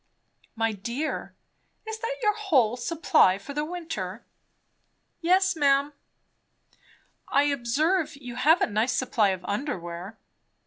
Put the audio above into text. "My dear, is that your whole supply for the winter?" "Yes, ma'am." "I observe you have a nice supply of under wear."